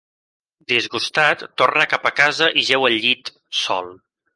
Disgustat, torna cap a casa i jeu al llit, sol.